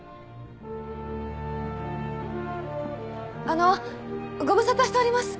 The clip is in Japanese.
あのご無沙汰しております。